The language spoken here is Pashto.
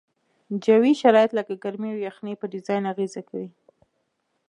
جوي شرایط لکه ګرمي او یخنۍ په ډیزاین اغیزه کوي